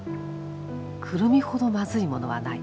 「クルミほどまずいものはない。